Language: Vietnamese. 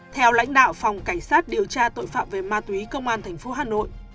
theo lãnh đạo phòng cảnh sát điều tra tội phạm về ma túy công an thành phố hà nội